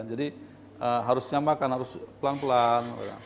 jadi harusnya makan harus pelan pelan